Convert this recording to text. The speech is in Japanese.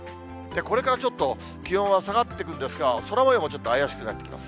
これからちょっと気温は下がってくるんですが、空もようもちょっと怪しくなってきます。